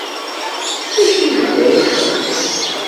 D acu i tebɣiḍ ad txedmeḍ?